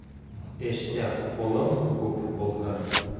Эштә ҡулың күп булһын.